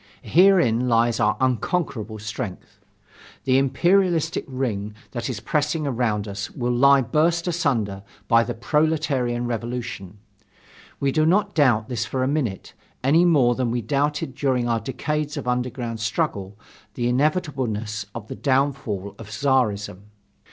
Herein lies our unconquerable strength. The imperialistic ring that is pressing around us will lie burst asunder by the proletarian revolution. We do not doubt this for a minute, any more than we doubted during our decades of underground struggle the inevitableness of the downfall of Czarism.